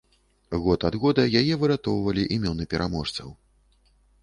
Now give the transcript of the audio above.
Год ад года яе выратоўвалі імёны пераможцаў.